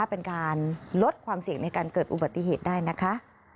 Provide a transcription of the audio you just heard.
เป็นการลดความเสี่ยงในการเกิดอุบัติเหตุได้นะคะ